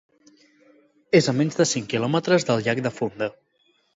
És a menys de cinc quilòmetres del llac de Funda.